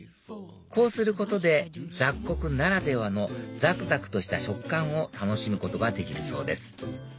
こうすることで雑穀ならではのザクザクとした食感を楽しむことができるそうです